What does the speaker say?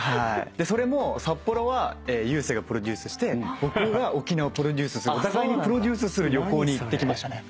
それも札幌は勇征がプロデュースして僕が沖縄をプロデュースするお互いにプロデュースする旅行に行ってきましたね。